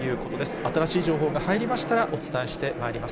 新しい情報が入りましたらお伝えしてまいります。